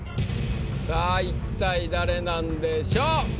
さあ一体誰なんでしょう？